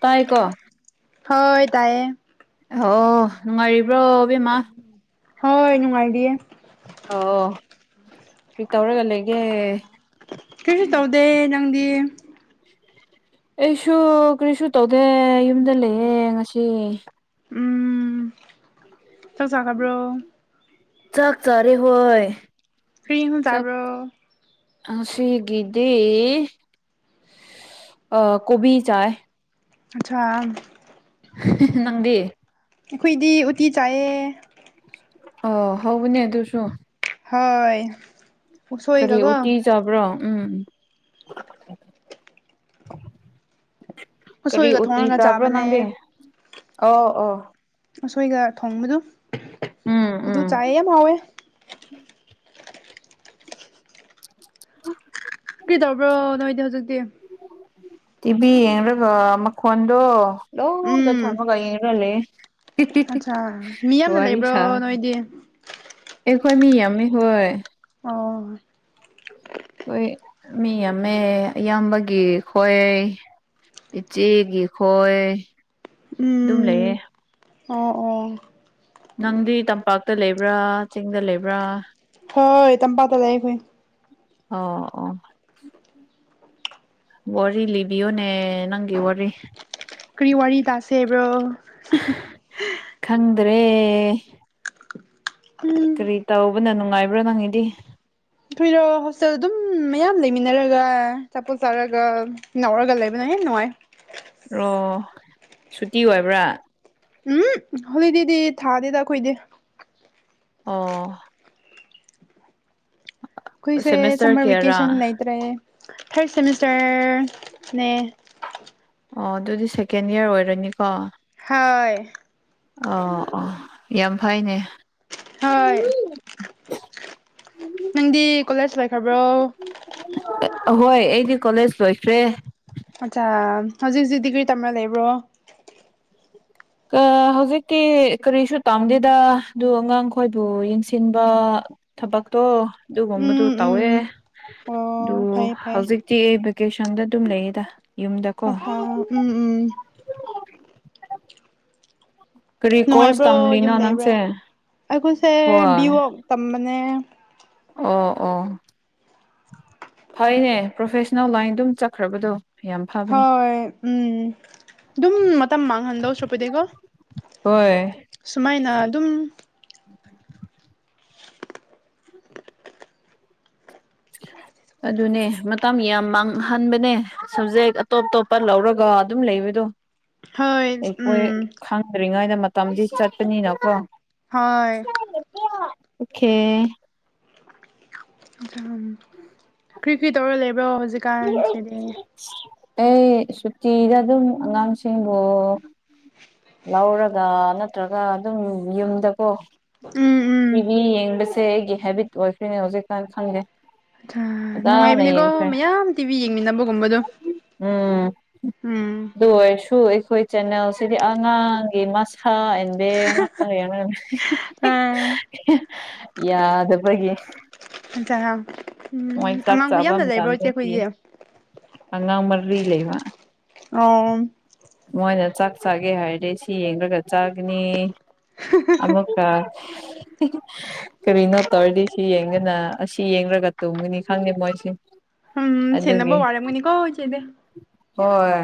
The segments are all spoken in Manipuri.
ꯇꯥꯏꯀꯣ ꯍꯣꯏ ꯇꯥꯏꯌꯦ ꯑꯍꯣ ꯅꯨꯡꯉꯥꯏꯔꯤꯕ꯭ꯔꯣ ꯑꯕꯦꯝꯃꯥ ꯍꯣꯏ ꯅꯨꯡꯉꯥꯏꯔꯤꯌꯦ ꯑꯣ ꯀ꯭ꯔꯤ ꯇꯧꯔꯒ ꯂꯩꯒꯦ ꯀꯩꯁꯨ ꯇꯧꯗꯦ ꯅꯪꯗꯤ ꯑꯩꯁꯨ ꯀ꯭ꯔꯤꯁꯨ ꯇꯧꯗꯦ ꯌꯨꯝꯗ ꯂꯩꯌꯦ ꯉꯁꯤ ꯎꯝ ꯆꯥꯛ ꯆꯥꯈ꯭ꯔꯕ꯭ꯔꯣ ꯆꯥꯛ ꯆꯥꯔꯦ ꯍꯣꯏ [unintelligible] ꯆꯥꯕ꯭ꯔꯣ ꯑꯥ ꯉꯁꯤꯒꯤꯗꯤ ꯑꯥ ꯀꯣꯕꯤ ꯆꯥꯏ [unintelligible] ꯅꯪꯗꯤ ꯑꯩꯈꯣꯏꯗꯤ ꯎꯇꯤ ꯆꯥꯏꯌꯦ ꯑꯣ ꯍꯥꯎꯕꯅꯦ ꯑꯗꯨꯁꯨ ꯍꯣꯏ ꯀꯔꯤ ꯎꯁꯣꯏꯒꯀꯣ ꯎꯇꯤ ꯆꯥꯕ꯭ꯔꯣ ꯎꯝ ꯀꯔꯤ ꯎꯁꯣꯏꯒ ꯎꯇꯤ ꯊꯣꯡꯉꯒ ꯆꯥꯕ꯭ꯔꯣ ꯆꯥꯕꯅꯦ ꯅꯪꯗꯤ ꯑꯣ ꯑꯣ ꯎꯁꯣꯏꯒ ꯊꯣꯡꯕꯗꯨ ꯎꯝ ꯑꯗꯨ ꯎꯝ ꯆꯥꯏꯑꯦ ꯌꯥꯝ ꯍꯥꯎꯋꯦ ꯀ꯭ꯔꯤ ꯇꯧꯕ꯭ꯔꯣ ꯅꯣꯏꯗꯤ ꯍꯧꯖꯤꯛꯇꯤ [inaudible] ꯇꯤꯚꯤ ꯌꯦꯡꯔꯒ ꯃꯈꯣꯟꯗꯣ ꯂꯣꯗ ꯎꯝ ꯊꯝꯔꯒ ꯌꯦꯡꯔ ꯂꯩꯌꯦ ꯍꯤꯍꯤꯍꯤ ꯑꯠꯆꯥ ꯃꯤ ꯌꯥꯝꯅ ꯋꯥꯔꯤ ꯂꯩꯕ꯭ꯔꯣ ꯁꯥꯕ ꯅꯣꯏꯗꯤ ꯑꯩꯈꯣꯏ ꯃꯤ ꯌꯥꯝꯃꯤ ꯍꯣꯏ ꯑꯣ ꯍꯣꯏ ꯃꯤ ꯌꯥꯝꯃꯦ ꯑꯌꯥꯝꯕꯒꯤ ꯈꯣꯏ ꯏꯆꯦꯒꯤ ꯈꯣꯏ ꯑꯗꯨꯝ ꯂꯩꯌꯦ ꯎꯝ ꯑꯣ ꯑꯣ ꯅꯪꯗꯤ ꯇꯝꯄꯥꯛꯇ ꯂꯩꯕ꯭ꯔꯥ ꯆꯤꯡꯗ ꯂꯩꯕ꯭ꯔꯥ ꯍꯣꯏ ꯇꯝꯄꯥꯛꯇ ꯂꯩ [unintelligible] ꯑꯣ ꯑꯣ ꯋꯥꯔꯤ ꯂꯤꯕꯤꯌꯣꯅꯦ ꯅꯪꯒꯤ ꯋꯥꯔꯤ ꯀ꯭ꯔꯤ ꯋꯥꯔꯤ ꯇꯥꯁꯦꯕ꯭ꯔꯣ ꯈꯪꯗ꯭ꯔꯦ꯫ ꯎꯝ꯫ ꯀꯔꯤ ꯇꯧꯕꯅ ꯅꯨꯡꯉꯥꯏꯕ꯭ꯔ ꯅꯪꯒꯤꯗꯤ꯫ ꯑꯩꯈꯣꯏꯔꯣ ꯍꯣꯁꯇꯦꯜ ꯑꯗꯨꯝ ꯃꯌꯥꯝ ꯂꯩꯃꯤꯟꯅꯔꯒ ꯑꯆꯥꯄꯣꯠ ꯆꯥꯔꯒ ꯉꯥꯎꯔꯒ ꯂꯩꯕꯅ ꯍꯦꯟꯅ ꯅꯨꯡꯉꯥꯏ꯫ ꯑꯣ ꯁꯨꯇꯤ ꯑꯣꯏꯕ꯭ꯔꯥ꯫ ꯍꯨꯝ ꯍꯣꯂꯤꯗꯦꯗꯤ ꯊꯥꯗꯦꯗ ꯑꯩꯈꯣꯏꯗꯤ꯫ ꯑꯣ꯫ ꯑꯩꯈꯣꯏꯁꯦ ꯁꯦꯃꯤꯁꯇꯔ ꯁꯃꯔ ꯀꯌꯥꯔꯥ ꯚꯦꯀꯦꯁꯟ ꯂꯩꯇ꯭ꯔꯦ ꯊꯥꯔꯠ ꯁꯦꯃꯤꯁꯇꯔꯅꯦ꯫ ꯑꯣ ꯑꯗꯨꯗꯤ ꯁꯦꯀꯦꯟ ꯏꯌꯔ ꯑꯣꯏꯔꯅꯤꯀꯣ꯫ ꯍꯣꯏ꯫ ꯑꯣ ꯑꯣ ꯌꯥꯝ ꯐꯩꯅꯦ꯫ ꯍꯣꯏ ꯅꯪꯗꯤ ꯀꯣꯂꯦꯖ ꯂꯣꯏꯈ꯭ꯔꯕ꯭ꯔꯣ꯫ ꯑꯍꯣꯏ ꯑꯩꯗꯤ ꯀꯣꯂꯦꯖ ꯂꯣꯏꯈ꯭ꯔꯦ꯫ ꯑꯠꯆꯥ ꯍꯧꯖꯤꯛ ꯍꯧꯖꯤꯛꯇꯤ ꯀꯔꯤ ꯇꯝꯔꯒ ꯂꯩꯕ꯭ꯔꯣ꯫ ꯍꯧꯖꯤꯛꯇꯤ ꯀꯔꯤꯁꯨ ꯇꯝꯗꯦꯗ ꯑꯗꯨ ꯑꯉꯥꯡꯈꯣꯏꯕꯨ ꯌꯦꯡꯁꯤꯟꯕ ꯊꯕꯛꯇꯣ ꯑꯗꯨꯒꯨꯝꯕꯗꯣ ꯎꯝ ꯎꯝ ꯇꯧꯋꯦ꯫ ꯑꯗꯨ ꯑꯣ ꯐꯩ ꯐꯩ ꯍꯧꯖꯤꯛꯇꯤ ꯚꯦꯀꯦꯁꯟꯗ ꯑꯗꯨꯝ ꯂꯩꯌꯦꯗ꯫ ꯌꯨꯝꯗꯀꯣ ꯑꯠꯆꯥ ꯎꯝ ꯎꯝ꯫ ꯀꯔꯤ ꯀꯣꯔꯁ ꯅꯨꯡꯉꯥꯏꯕ꯭ꯔꯣ ꯇꯝꯂꯤꯅꯣ ꯌꯨꯝ ꯂꯩꯕ꯭ꯔꯥ ꯅꯪꯁꯦ ꯑꯩꯈꯣꯏꯁꯦ ꯍꯣꯏ ꯕꯤꯕꯣꯛ ꯇꯝꯕꯅꯦ꯫ ꯑꯣ ꯑꯣ꯫ ꯐꯩꯌꯦꯅꯦ ꯄ꯭ꯔꯣꯐꯦꯁꯅꯦꯜ ꯂꯥꯏꯟꯗꯨꯝ ꯆꯠꯈ꯭ꯔꯕꯗꯣ꯫ ꯌꯥꯝ ꯐꯕꯅꯤ ꯍꯣꯏ ꯎꯝ ꯑꯗꯨꯝ ꯃꯇꯝ ꯃꯥꯡꯍꯟꯗꯧ ꯁꯔꯨꯛꯄꯨꯗꯤꯀꯣ꯫ ꯍꯣꯏ꯫ ꯁꯨꯃꯥꯏꯅ ꯑꯗꯨꯝ [inaudible] ꯑꯗꯨꯅꯦ ꯃꯇꯝ ꯌꯥꯝ ꯃꯥꯡꯍꯟꯕꯅꯦ ꯄꯞꯖꯦꯛ ꯑꯇꯣꯞ ꯑꯇꯣꯞꯄ ꯂꯧꯔꯒ ꯑꯗꯨꯝ ꯂꯩꯕꯗꯣ꯫ ꯍꯣꯏ ꯑꯩꯈꯣꯏ ꯎꯝ ꯈꯪ ꯐꯗ꯭ꯔꯤꯉꯩꯗ ꯃꯇꯝꯗꯤ ꯆꯠꯄꯅꯤꯅꯀꯣ ꯍꯣꯏ ꯑꯣꯀꯦ꯫ ꯀꯔꯤ ꯀꯔꯤ ꯇꯧꯔ ꯂꯩꯕ꯭ꯔꯣ ꯍꯧꯖꯤꯛꯀꯥꯟꯁꯤꯗꯤ꯫ ꯑꯩ ꯁꯨꯇꯤꯗ ꯑꯗꯨꯝ ꯑꯉꯥꯡꯁꯤꯡꯕꯨ꯫ ꯂꯧꯔꯒ ꯅꯠꯇ꯭ꯔꯒ ꯑꯗꯨꯝ ꯌꯨꯝꯗꯀꯣ ꯎꯝ ꯎꯝ ꯇꯤꯕꯤ ꯌꯦꯡꯕꯁꯦ ꯁꯦ ꯑꯩꯒꯤ ꯍꯦꯕꯤꯠ ꯑꯣꯏꯈ꯭ꯔꯦꯅꯦ ꯍꯧꯖꯤꯛ ꯀꯥꯟ ꯈꯪꯗꯦ꯫ ꯐꯖꯅ ꯅꯨꯡꯉꯥꯏꯕꯅꯤꯀꯣ ꯌꯦꯡꯈ꯭ꯔꯦ ꯃꯌꯥꯝ ꯇꯤꯚꯤ ꯌꯦꯡꯃꯤꯟꯅꯕꯒꯨꯝꯕꯗꯣ꯫ ꯎꯝ ꯎꯝ ꯑꯗꯨ ꯑꯣꯏꯔꯁꯨ ꯑꯩꯈꯣꯏ ꯆꯦꯅꯦꯜꯁꯤꯗꯤ ꯑꯉꯥꯡꯒꯤ ꯃꯁꯥ ꯍꯣꯏ ꯑꯥ ꯌꯥꯗꯕꯒꯤ꯫ ꯎꯝ ꯃꯣꯏ ꯆꯥꯛ ꯑꯉꯥꯡꯗꯣ ꯆꯥꯕ ꯌꯥꯝ ꯂꯩꯕ꯭ꯔꯣ ꯏꯆꯦ ꯃꯇꯝꯗꯗꯤ ꯈꯣꯏꯗꯤ꯫ ꯑꯉꯥꯡ ꯃꯔꯤ ꯂꯩꯕ ꯑꯣꯝ꯫ ꯃꯣꯏꯅ ꯆꯥꯛ ꯆꯥꯒꯦ ꯍꯥꯏꯔꯗꯤ ꯁꯤ ꯌꯦꯡꯂꯒ ꯆꯥꯒꯅꯤ꯫ ꯑꯃꯨꯛꯀ꯫ ꯀꯔꯤꯅꯣ ꯇꯧꯔꯗꯤ ꯑꯁꯤ ꯌꯦꯡꯂꯒ ꯑꯁꯤ ꯌꯦꯡꯂꯒ ꯫ ꯇꯨꯝꯒꯅꯤ ꯈꯪꯗꯦ ꯃꯣꯏꯁꯦ ꯎꯝ ꯁꯦꯟꯅꯕ ꯑꯗꯨꯒꯤ ꯋꯥꯔꯝꯒꯅꯤꯀꯣ ꯏꯆꯦꯗꯤ ꯍꯣꯏ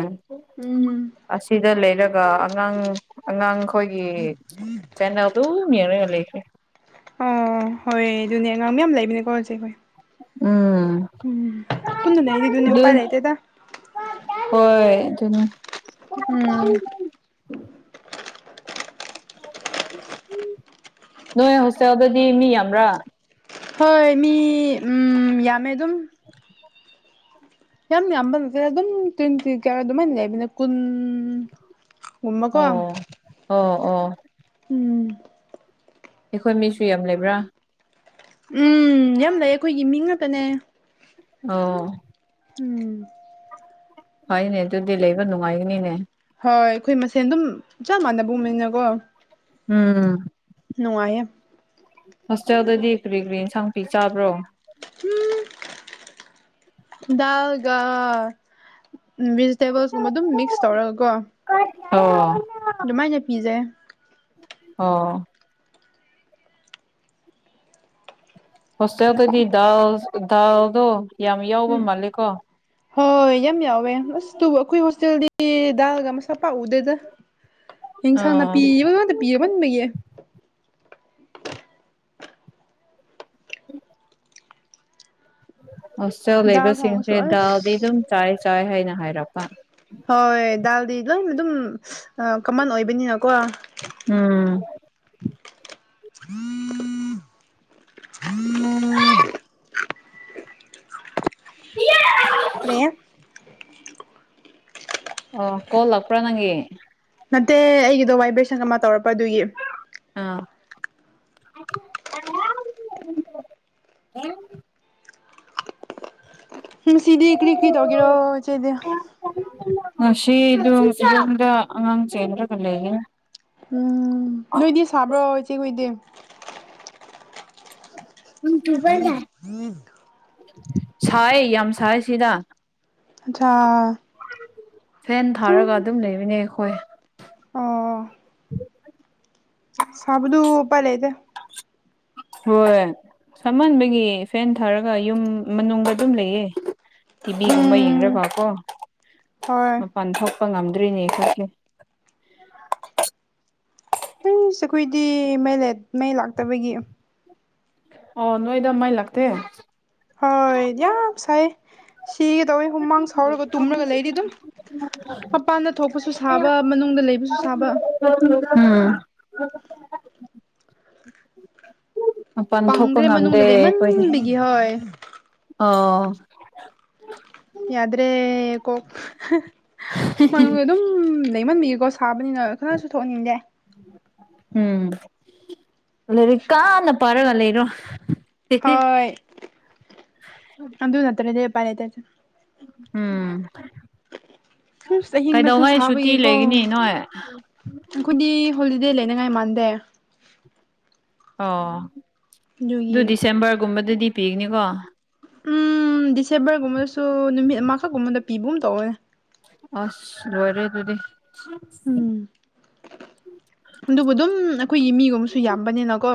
ꯎꯝ ꯑꯁꯤꯗ ꯂꯩꯔꯒ ꯑꯉꯥꯡ ꯑꯉꯥꯡ ꯈꯣꯏꯒꯤ ꯆꯦꯅꯦꯜ ꯑꯗꯨꯝ ꯌꯦꯡꯂꯒ ꯂꯩꯈꯔꯦ ꯑꯣ ꯍꯣꯏ ꯑꯗꯨꯅꯦ ꯑꯉꯥꯡ ꯃꯌꯥꯝ ꯂꯩꯕꯅꯦꯀꯣ ꯍꯧꯖꯤꯛ ꯍꯣꯏ ꯎꯝ ꯎꯝ ꯄꯨꯟꯅ ꯂꯩꯔꯤꯗꯨꯅꯤ ꯑꯗꯨ ꯎꯄꯥꯏ ꯂꯩꯇꯦꯗ ꯍꯣꯏ ꯑꯗꯨꯅꯦ ꯎꯝ ꯅꯣꯏ ꯍꯣꯁꯇꯦꯜꯗꯨꯗꯤ ꯃꯤ ꯌꯥꯝꯕ꯭ꯔ ꯍꯣꯏ ꯃꯤ ꯎꯝ ꯌꯥꯝꯃꯦ ꯑꯗꯨꯝ ꯌꯥꯝ ꯌꯥꯝꯕ ꯅꯠꯇꯦ ꯑꯗꯨꯝ ꯇ꯭ꯋꯦꯟꯇꯤ ꯀꯌꯥ ꯑꯗꯨꯃꯥꯏꯅ ꯂꯩꯕꯅꯦ ꯀꯨꯟ ꯒꯨꯝꯕꯀꯣ ꯑꯣ ꯑꯣ ꯑꯣ ꯎꯝ ꯑꯩꯈꯣꯏ ꯃꯤꯁꯨ ꯌꯥꯝ ꯂꯩꯕ꯭ꯔ ꯎꯝ ꯌꯥꯝ ꯂꯩꯌꯦ ꯑꯩꯈꯣꯏꯒꯤ ꯃꯤ ꯉꯥꯛꯇꯅꯦ ꯑꯣ ꯎꯝ ꯐꯩꯅꯦ ꯑꯗꯨꯗꯤ ꯂꯩꯕ ꯅꯨꯡꯉꯥꯏꯒꯅꯤꯅꯦ ꯍꯣꯏ ꯑꯩꯈꯣꯏ ꯃꯁꯦꯟ ꯑꯗꯨꯝ ꯆꯞ ꯃꯥꯟꯅꯕꯒꯨꯝꯅꯀꯣ ꯎꯝ ꯅꯨꯡꯉꯥꯏꯌꯦ ꯍꯣꯁꯇꯦꯜꯗꯗꯤ ꯀꯔꯤ ꯀꯔꯤ ꯏꯟꯁꯥꯡ ꯄꯤꯖꯕ꯭ꯔꯣ ꯎꯝ ꯗꯥꯜꯒ ꯚꯤꯖꯤꯇꯦꯕꯜꯁ ꯀꯨꯝꯕ ꯑꯗꯨꯝ ꯃꯤꯛꯁ ꯇꯧꯔꯒ ꯀꯣ ꯑꯣ ꯑꯗꯨꯃꯥꯏꯅ ꯄꯤꯖꯩ ꯑꯣ ꯍꯣꯁꯇꯦꯜꯗꯗꯤ ꯗꯥꯜ ꯗꯥꯜꯗꯣ ꯌꯥꯝ ꯌꯥꯎꯕ ꯎꯝ ꯃꯥꯜꯂꯦꯀꯣ ꯍꯣꯏ ꯌꯥꯝ ꯌꯥꯎꯋꯦ ꯑꯁ ꯑꯗꯨꯕꯨ ꯑꯩꯈꯣꯏ ꯍꯣꯁꯇꯦꯜꯗꯤ ꯗꯥꯜꯒ ꯃꯁꯛꯀ ꯄꯥꯛ ꯎꯗꯦꯗ [inaudible] ꯑꯦꯟꯁꯥꯡ ꯅꯥꯄꯤ ꯉꯥꯛꯇ ꯄꯤꯃꯟꯕꯒꯤ [inaudible] ꯍꯣꯁꯇꯦꯜ ꯗꯥꯜ ꯊꯣꯡꯉꯁꯨ ꯂꯩꯕꯁꯤꯡꯁꯦ ꯑꯁ ꯗꯥꯜꯗꯤ ꯑꯗꯨꯝ ꯆꯥꯏ ꯆꯥꯏ ꯍꯥꯏꯅ ꯍꯥꯏꯔꯛꯄ ꯍꯣꯏ ꯗꯥꯜꯗꯤ ꯂꯣꯏꯅ ꯑꯗꯨꯝ ꯀꯃꯟ ꯑꯣꯏꯕꯅꯤꯅꯀꯣ ꯎꯝ [inaudible] [unintelligible] ꯀꯔꯤ ꯑꯣ ꯀꯣꯜ ꯂꯥꯛꯄ꯭ꯔ ꯅꯪꯒꯤ ꯅꯠꯇꯦ ꯑꯩꯒꯤꯗꯣ ꯕꯥꯏꯕ꯭ꯔꯦꯁꯟ ꯑꯃ ꯇꯧꯔꯛꯄ ꯑꯗꯨꯒꯤ ꯑꯥ ꯉꯁꯤꯗꯤ ꯀꯔꯤ ꯀꯔꯤ ꯇꯧꯒꯦꯔꯣ ꯏꯆꯦꯗꯤ ꯉꯁꯤꯗꯨ ꯌꯨꯝꯗ ꯑꯉꯥꯡ ꯆꯦꯟꯅꯔꯒ ꯂꯩꯒꯅꯤ ꯎꯝ ꯅꯣꯏꯗꯤ ꯁꯥꯕ꯭ꯔꯣ ꯏꯆꯦ ꯈꯣꯏꯗꯤ ꯅꯣꯡ ꯆꯨꯕꯗ ꯁꯥꯏ ꯌꯥꯝ ꯁꯥꯏ ꯁꯤꯗ ꯑꯆꯥꯥ ꯐꯦꯟ ꯊꯥꯔꯒ ꯑꯗꯨꯝ ꯂꯩꯕꯅꯦ ꯑꯩꯈꯣꯏ ꯑꯣ ꯁꯕꯗꯨ ꯎꯄꯥꯢ ꯂꯩꯇꯦ ꯍꯣꯏ ꯁꯥꯃꯟꯕꯒꯤ ꯐꯦꯟ ꯊꯥꯔꯒ ꯌꯨꯝ ꯃꯅꯨꯡꯗ ꯑꯗꯨꯝ ꯂꯩꯌꯦ ꯇꯤꯚꯤꯒꯨꯝꯕ ꯎꯝ ꯌꯦꯡꯂꯥꯒꯀꯣ ꯍꯣꯏ ꯃꯄꯥꯟ ꯊꯣꯛꯄ ꯉꯝꯗ꯭ꯔꯤꯅꯦ ꯈꯣꯢꯁꯦ ꯑꯩꯁ ꯑꯩꯈꯣꯏꯗꯤ ꯃꯩ ꯂꯦ ꯃꯩ ꯂꯥꯛꯇꯕꯒꯤ ꯑꯣ ꯅꯣꯏꯗ ꯃꯩ ꯂꯥꯛꯇꯦ ꯍꯣꯏ ꯌꯥꯝ ꯁꯥꯏ ꯁꯤꯒꯗꯧꯋꯤ ꯍꯨꯃꯥꯡ ꯁꯧꯔꯒ ꯇꯨꯝꯂꯒ ꯂꯩꯗꯤ ꯑꯗꯨꯝ ꯃꯄꯥꯟꯗ ꯊꯣꯛꯄꯁꯨ ꯁꯥꯕ ꯃꯅꯨꯡꯗ ꯂꯩꯕꯁꯨ ꯁꯥꯕ ꯎꯝ ꯃꯄꯥꯟ ꯊꯣꯛꯄ ꯄꯪꯈ꯭ꯔꯦ ꯉꯝꯗꯦ ꯃꯅꯨꯡꯗ ꯑꯩꯈꯣꯏꯗꯤ ꯂꯩꯃꯟꯕꯤꯒꯤ ꯍꯣꯏ ꯑꯣ ꯌꯥꯗ꯭ꯔꯦ ꯀꯣ ꯃꯅꯨꯡꯗ ꯑꯗꯨꯝ ꯂꯩꯃꯟꯕꯤꯒꯀꯣ ꯁꯥꯕꯅꯤꯅ ꯀꯥꯅꯥꯁꯨ ꯊꯣꯛꯍꯟꯅꯤꯡꯗꯦ ꯎꯝ ꯂꯥꯢꯔꯤꯛ ꯀꯥꯟꯅ ꯄꯥꯏꯔꯒ ꯂꯩꯔꯣ ꯍꯣꯏ ꯑꯗꯨ ꯅꯠꯇꯔꯥꯗꯤ ꯎꯄꯥꯢ ꯂꯩꯇꯦ ꯎꯝ ꯑꯁ ꯑꯍꯤꯡꯗꯁꯨ ꯀꯩꯗꯧꯍꯩ ꯁꯨꯇꯤ ꯁꯥꯕꯒꯤꯀꯣ ꯂꯩꯒꯅꯤ ꯅꯣꯏ ꯑꯩꯈꯣꯏꯗꯤ ꯍꯣꯂꯤꯗꯦ ꯂꯩꯅꯤꯡꯉꯥꯏ ꯃꯥꯟꯗꯦ ꯑꯣ ꯑꯗꯨ ꯑꯗꯨꯒꯤ ꯗꯤꯁꯦꯝꯕꯔꯒꯨꯝꯕꯗꯗꯤ ꯄꯤꯒꯅꯤꯀꯣ ꯎꯝ ꯗꯤꯁꯦꯝꯕꯔꯒꯨꯝꯕꯗꯁꯨ ꯅꯨꯃꯤꯠ ꯑꯃꯈꯛꯀꯨꯝꯕꯗ ꯄꯤꯕꯒꯨꯝ ꯇꯧꯋꯦ ꯑꯁ ꯂꯣꯢꯔꯦ ꯑꯗꯨꯗꯤ ꯎꯝ ꯑꯗꯨꯕꯨ ꯑꯗꯨꯝ ꯑꯩꯈꯣꯏꯒꯤ ꯃꯤ ꯁꯨ ꯌꯥꯝꯕꯅꯤꯅ ꯀꯣ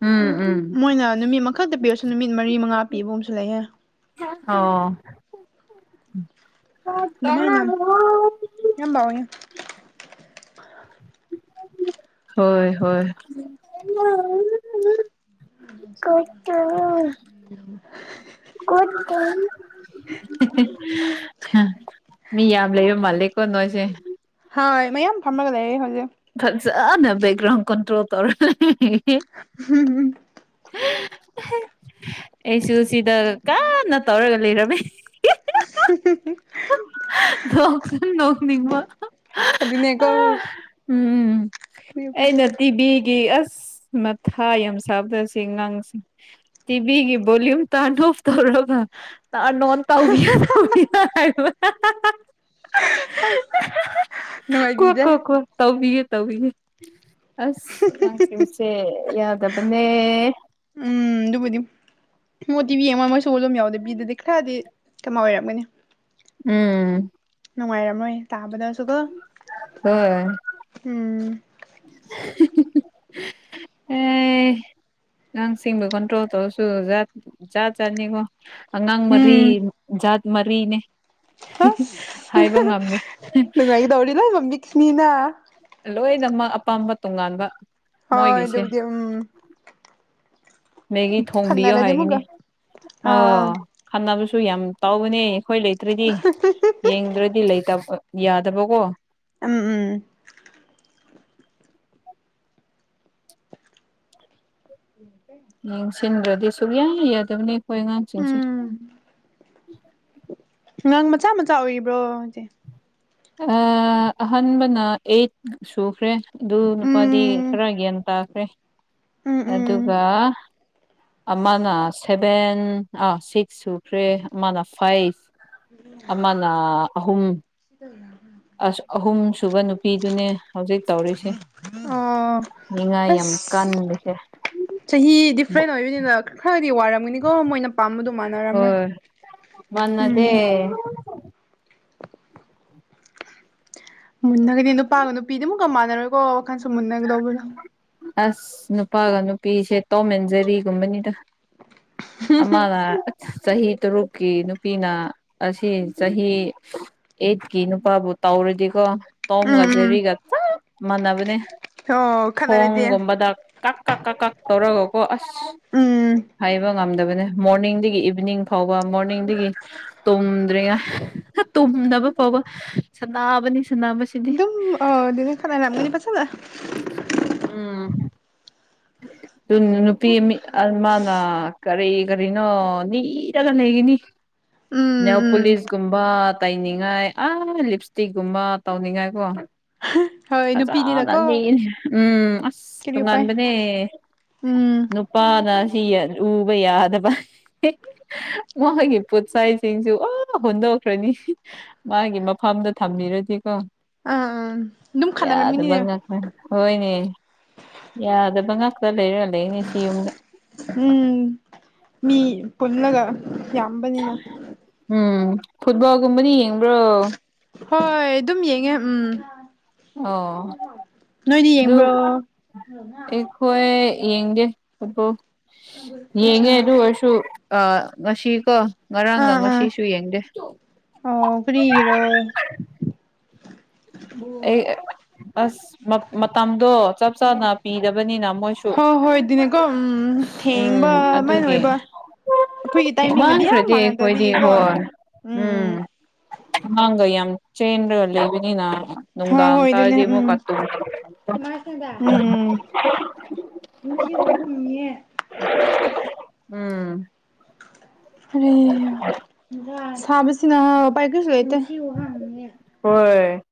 ꯎꯝ ꯎꯝ ꯃꯣꯏꯅ ꯅꯨꯃꯤꯠ ꯃꯈꯛꯇ ꯄꯤꯔꯁꯨ ꯅꯨꯃꯤꯠ ꯃꯔꯤ ꯃꯉꯥ ꯄꯤꯕꯒꯨꯝꯁꯨ ꯂꯩꯍꯦ ꯑꯣ ꯑꯗꯨꯃꯥꯏꯅ [unintelligible] ꯌꯥꯝ ꯕꯥꯎꯢ ꯍꯣꯏ ꯍꯣꯏ [unintelligible] [unintelligible] [unintelligible] ꯃꯤ ꯌꯥꯝ ꯂꯩꯕ ꯃꯥꯜꯂꯦꯀꯣ ꯅꯣꯏꯁꯦ ꯍꯣꯢ ꯃꯌꯥꯝ ꯐꯝꯃꯒ ꯂꯩꯔꯦ ꯍꯧꯖꯤꯛ ꯐꯖꯅ ꯕꯦꯛꯒ꯭ꯔꯥꯎꯟ ꯀꯟꯇ꯭ꯔꯣꯜ ꯇꯧꯔ [unintelligible] [unintelligible] [unintelligible] ꯑꯩꯁꯨ ꯁꯤꯗ ꯀꯥꯟꯅ ꯇꯧꯔꯒ ꯂꯩꯔꯝꯃꯦ [unintelligible] ꯅꯣꯛꯁꯨ ꯅꯣꯛꯅꯤꯡꯕ ꯑꯗꯨꯅꯦꯀꯣ ꯎꯝ ꯑꯩꯅ ꯇꯤꯚꯤꯒꯤ ꯑꯁ ꯃꯊꯥ ꯌꯥꯝ ꯁꯥꯕ ꯁꯤ ꯑꯉꯥꯡꯁꯦ ꯇꯤꯕꯤꯒꯤ ꯕꯣꯜꯂꯨꯝ ꯇꯔꯥꯟ ꯑꯣꯕ ꯇꯧꯔꯒ ꯇꯔꯥꯟ ꯅꯣꯟ ꯇꯧ [unintelligible] [unintelligible] ꯀꯣ ꯅꯨꯡꯉꯥꯏꯕꯤꯗꯦ ꯀꯣ ꯀꯣ ꯇꯧꯕꯤꯒꯦ ꯇꯧꯕꯤꯒꯦ ꯑꯁ ꯑꯉꯥꯡꯁꯤꯡꯁꯦ ꯌꯥꯗꯕꯅꯦ ꯎꯝ ꯗꯨꯕꯨꯗꯤ ꯃꯣꯏꯗꯤ ꯏꯕꯦꯝꯃꯥ [unintelligible] ꯁꯣ ꯑꯗꯨꯝ ꯌꯥꯎꯗ ꯕꯤꯗꯗꯤ ꯈꯔꯗꯤ ꯀꯃꯥꯏ ꯑꯣꯏꯔꯝꯒꯅꯤ ꯎꯝ ꯅꯨꯡꯉꯥꯏꯔꯝꯃꯣꯏ ꯇꯥꯕꯗꯁꯨꯀꯣ ꯎꯝ ꯑ ꯑꯦ ꯑꯉꯥꯡꯁꯤꯡꯕꯨ ꯀꯟꯇ꯭ꯔꯣꯜ ꯇꯧꯔꯁꯨ ꯖꯥꯠ ꯖꯥꯠ ꯖꯥꯠꯅꯤꯀꯣ꯫ ꯑꯉꯥꯡ ꯃꯔꯤ ꯎꯝ ꯖꯥꯠ ꯃꯔꯤꯅꯦ ꯑꯁ ꯍꯥꯏꯕ ꯉꯝꯔꯦ ꯂꯣꯏꯃꯛ ꯃꯤꯛꯁꯅꯤꯅ ꯂꯣꯏꯅꯃꯛ ꯑꯄꯥꯝꯕ ꯇꯣꯉꯥꯟꯕ ꯍꯣꯏ ꯃꯣꯏꯒꯤꯁꯦ ꯗꯨꯕꯨꯗꯤ ꯎꯝ ꯃꯦꯒꯤ ꯊꯣꯡꯕꯤꯌꯣ ꯈꯟꯅꯔꯗꯤ ꯑꯃꯨꯛꯀ ꯍꯥꯏꯒꯅꯤ ꯑꯥ ꯑꯣ ꯈꯟꯅꯕꯁꯨ ꯌꯥꯝ ꯇꯥꯎꯕꯅꯦ ꯑꯩꯈꯣꯏ ꯂꯩꯇ꯭ꯔꯗꯤ꯫ ꯌꯦꯡꯗ꯭ꯔꯗꯤ ꯂꯩꯇꯕ ꯌꯥꯗꯕꯀꯣ꯫ ꯎꯝ ꯎꯝ [inaudible] ꯌꯦꯡꯁꯤꯟꯗ꯭ꯔꯗꯤ ꯁꯨꯛꯌꯥ ꯌꯥꯗꯕꯅꯤ ꯑꯩꯈꯣꯏ ꯑꯉꯥꯡꯁꯤꯡꯁꯦ꯫ ꯑꯉꯥꯡ ꯃꯆꯥ ꯃꯆꯥ ꯑꯣꯏꯔꯤꯕ꯭ꯔꯣ ꯍꯥꯏꯖꯦ꯫ ꯑ ꯑꯍꯥꯟꯕꯅ ꯑꯩꯠ ꯁꯨꯈ꯭ꯔꯦ꯫ ꯑꯗꯨ ꯅꯨꯄꯥꯗꯤ ꯎꯝ ꯈꯔ ꯒ꯭ꯌꯥꯟ ꯇꯥꯈ꯭ꯔꯦ ꯎꯝ ꯎꯝ ꯑꯗꯨꯒ ꯑꯃꯅ ꯁꯚꯦꯟ ꯑꯥ ꯁꯤꯛꯁ ꯁꯨꯈ꯭ꯔꯦ ꯑꯃꯅ ꯐꯥꯏꯚ ꯑꯃꯅꯥ ꯑꯍꯨꯝ [unintelligible] ꯑꯁ ꯑꯍꯨꯝ ꯁꯨꯕ ꯅꯨꯄꯤꯗꯨꯅꯦ ꯍꯧꯖꯤꯛ ꯇꯧꯔꯤꯁꯦ ꯑꯣ ꯅꯤꯡꯉꯥꯏ ꯌꯥꯝ ꯑꯁ ꯀꯟꯂꯤꯁꯦ꯫ ꯆꯍꯤ ꯗꯤꯐ꯭ꯔꯦꯟ ꯑꯣꯏꯕꯅꯤꯅ ꯈꯔꯗꯤ ꯋꯥꯔꯝꯒꯅꯤꯀꯣ ꯃꯣꯏꯅ ꯄꯥꯝꯕꯗꯣ ꯃꯥꯟꯅꯔꯝꯔꯣꯏ꯫ ꯍꯣꯏ ꯃꯥꯟꯅꯗꯦ ꯎꯝ ꯃꯨꯟꯅꯒꯗꯤ ꯅꯨꯄꯥꯒ ꯅꯨꯄꯤꯗꯤꯑꯃꯨꯛꯀ ꯃꯥꯟꯅꯔꯣꯏꯀꯣ ꯋꯥꯈꯜꯁꯨ ꯃꯨꯟꯅꯒꯗꯧꯕꯗꯣ ꯑꯁ ꯅꯨꯄꯥꯒ ꯅꯨꯄꯤꯒꯁꯦ ꯇꯧꯃꯦꯟꯖꯦꯔꯤꯒꯨꯝꯕꯅꯤꯗ ꯑꯃꯅ ꯆꯍꯤ ꯇꯔꯨꯛꯀꯤ ꯅꯨꯄꯤꯅ ꯑꯁꯤ ꯆꯍꯤ ꯑꯩꯠꯀꯤ ꯅꯨꯄꯥꯕꯨ ꯇꯧꯔꯗꯤꯀꯣ ꯇꯣꯝꯒ ꯎꯝ ꯎꯝ ꯖꯦꯔꯤꯒ ꯆꯞ ꯃꯥꯟꯅꯕꯅꯦ꯫ ꯑꯣ ꯈꯠꯅꯔꯗꯤ ꯊꯣꯡꯒꯨꯝꯕꯗ ꯀꯛ ꯀꯛ ꯀꯛ ꯀꯛ ꯇꯧꯔꯒꯀꯣ ꯑꯁ ꯎꯝ ꯍꯥꯏꯕ ꯉꯝꯗꯕꯅꯦ ꯃꯣꯔꯅꯤꯡꯗꯒꯤ ꯏꯚꯤꯅꯤꯡ ꯐꯥꯎꯕ ꯃꯣꯔꯅꯤꯡꯗꯒꯤ ꯇꯨꯝꯗ꯭ꯔꯤꯉꯥ ꯇꯨꯝꯗꯕ ꯐꯥꯎꯕ ꯁꯥꯟꯅꯕꯅꯤ ꯁꯥꯟꯅꯥꯕꯁꯤꯗꯤ [unintelligible] [unintelligible] ꯎꯝ ꯎꯝ ꯑꯗꯨ ꯅꯨꯄꯤ ꯑꯃꯅ ꯀꯔꯤ ꯀꯔꯤꯅꯣ ꯅꯤꯔꯒ ꯂꯩꯒꯅꯤ [inaudible] [unintelligible] ꯎꯝ ꯅꯦꯜ ꯎꯝ ꯄꯨꯣꯂꯤꯁꯀꯨꯝꯕ ꯇꯩꯅꯤꯡꯉꯥꯏ ꯑ ꯂꯤꯞꯁꯇꯤꯛꯀꯨꯝꯕ ꯇꯧꯅꯤꯡꯉꯥꯏ ꯀꯣ ꯍꯣꯏ ꯐꯖꯅ ꯅꯨꯄꯤꯅꯤꯅꯀꯣ ꯅꯤꯛꯏ ꯎꯝ ꯑꯁ ꯀꯔꯤ ꯎꯄꯥꯏ ꯇꯣꯉꯥꯟꯕ ꯅꯦ ꯎꯝ ꯅꯨꯄꯥꯅ ꯁꯤ ꯎꯕ ꯌꯥꯗꯕ ꯃꯣꯏꯒꯤ ꯄꯣꯠꯆꯩꯁꯤꯡꯁꯦ ꯑꯥ ꯍꯣꯟꯗꯣꯛꯈ꯭ꯔꯅꯤ꯫ ꯃꯥꯒꯤ ꯃꯐꯝꯗ ꯊꯝꯕꯤꯔꯗꯤꯀꯣ ꯑ ꯑꯝ ꯗꯨꯝ ꯈꯥꯟꯅꯔꯝꯒꯅꯤꯅꯦ ꯎꯝ ꯍꯣꯏꯅꯦ ꯌꯥꯗꯕ ꯉꯥꯛꯇ ꯂꯩꯔꯒ ꯂꯩꯅꯦ ꯁꯤ ꯌꯨꯝꯗ ꯍꯨꯝ ꯃꯤ ꯄꯨꯜꯂꯒ ꯌꯥꯝꯕꯅꯤꯅ ꯎꯝ ꯐꯨꯠꯕꯣꯜꯒꯨꯝꯕꯗꯤ ꯌꯦꯡꯕ꯭ꯔꯣ ꯍꯣꯏ ꯑꯗꯨꯝ ꯌꯦꯡꯉꯦ ꯎꯝ ꯑꯣ ꯅꯣꯏꯗꯤ ꯌꯦꯡꯕ꯭ꯔꯣ ꯍꯣꯏ ꯌꯦꯡꯒꯦ ꯎꯄꯣ ꯑꯠꯆꯥ ꯌꯦꯡꯉꯦ ꯑꯗꯨ ꯑꯣꯏꯔꯁꯨ ꯑ ꯉꯁꯤꯀꯣ ꯉꯔꯥꯡꯒ ꯑꯥ ꯑꯥ ꯉꯁꯤꯁꯨ ꯌꯦꯡꯗꯦ ꯑꯣ ꯀꯔꯤꯒꯤꯔꯣ [unintelligible] [unintelligible] ꯑꯩ ꯑꯁ ꯃꯞ ꯃꯇꯝꯗꯣ ꯆꯞ ꯆꯥꯅ ꯄꯤꯗꯕꯅꯤꯅ ꯃꯣꯏꯁꯨ ꯍꯣꯏ ꯍꯣꯏ ꯑꯗꯨꯅꯦꯀꯣ ꯎꯝ ꯎꯝ ꯊꯦꯡꯕ ꯑꯗꯨꯃꯥꯏꯅ ꯑꯗꯨꯒꯤ ꯑꯣꯏꯕ ꯑꯩꯈꯣꯏꯒꯤ ꯍꯦꯛ ꯇꯥꯏꯃꯤꯡꯒꯗꯤ ꯌꯥꯝ ꯃꯥꯡꯈ꯭ꯔꯗꯤ ꯑꯦꯈꯣꯏꯗꯤ ꯃꯥꯟꯅꯗꯕꯤꯒꯤꯀꯣ ꯍꯣꯟ ꯎꯝ ꯑꯉꯥꯡꯒ ꯌꯥꯝ ꯆꯦꯟꯔꯒ ꯂꯩꯕꯅꯤꯅ ꯍꯣꯏ ꯅꯨꯡꯗꯥꯡ ꯍꯣꯏ ꯑꯗꯨꯅꯦ ꯇꯔꯗꯤ ꯎꯝ ꯑꯃꯨꯛꯀꯥ ꯇꯨ [unintelligible] ꯌꯨꯝꯁꯤ ꯎꯕꯒꯨꯝꯅꯤꯌ‌ꯦ ꯎꯝ ꯍꯔꯦ ꯁꯥꯕꯁꯤꯅ ꯎꯄꯥꯏ ꯀꯔꯤꯁꯨ ꯂꯩꯇꯦ ꯍꯣꯏ